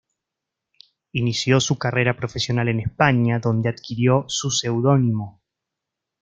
Inició su carrera profesional en España, donde adquirió su seudónimo.